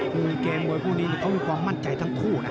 คือเกมมวยคู่นี้เขามีความมั่นใจทั้งคู่นะ